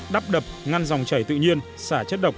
đắp đập ngăn dòng chảy tự nhiên xả chất độc